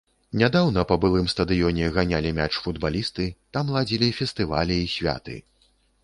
Нядаўна па былым стадыёне ганялі мяч футбалісты, там ладзілі фестывалі і святы.